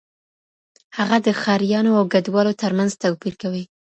هغه د ښاریانو او کډوالو ترمنځ توپیر کوي.